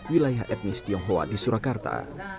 wilayah etnis tionghoa di surakarta